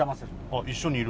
あっ一緒にいる？